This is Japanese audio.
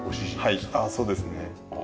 はいそうですね。